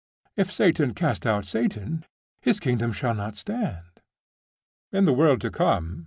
'If Satan cast out Satan, his kingdom shall not stand.' 'In the world to come.